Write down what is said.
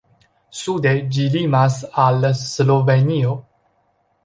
Sude ĝi limas al Slovenio.